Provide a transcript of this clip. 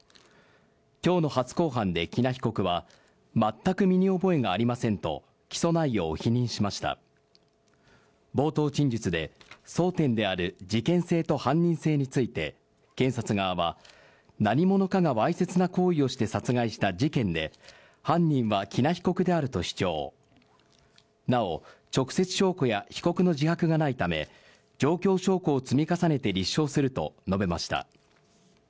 今日の初公判で喜納被告は全く身に覚えがありませんと起訴内容を否認しました冒頭陳述で争点である事件性と犯人性について検察側は何者かがわいせつな行為をして殺害した事件で犯人は喜納被告であると主張なお直接証拠や被告の自白がないため状況証拠を積み重ねて立証すると述べました